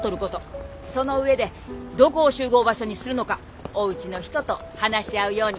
その上でどこを集合場所にするのかおうちの人と話し合うように。